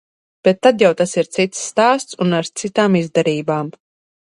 Bet tad jau tas ir cits stāsts un ar citām izdarībām.